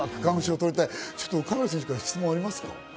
神野選手から質問ありますか？